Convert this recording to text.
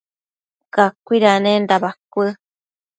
cacuidanenda bacuë